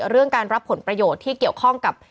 เรื่องการรับผลประโยชน์ที่เกี่ยวข้องกับ